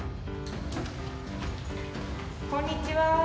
こんにちは。